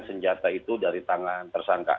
senjata itu dari tangan tersangka